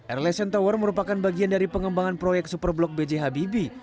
airlessentower merupakan bagian dari pengembangan proyek superblok b j habibi